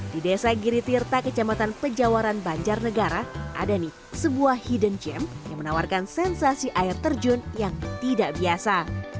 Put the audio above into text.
di desa giritirta kecamatan pejawaran banjarnegara ada nih sebuah hidden gem yang menawarkan sensasi air terjun yang tidak biasa